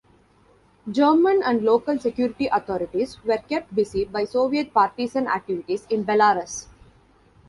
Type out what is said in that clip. German and local security authorities were kept busy by Soviet partisan activities in Belarus.